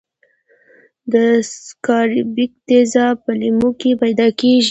د سکاربیک تیزاب په لیمو کې پیداکیږي.